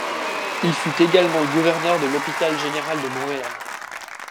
Il fut également gouverneur de l'Hôpital général de Montréal.